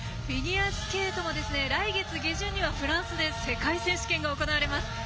フィギュアスケートも来月下旬には、フランスで世界選手権が行われます。